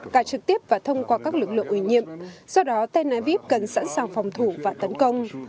cả trực tiếp và thông qua các lực lượng ủy nhiệm do đó tel aviv cần sẵn sàng phòng thủ và tấn công